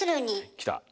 きた！